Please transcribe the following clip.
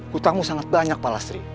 hutangmu sangat banyak pak lasri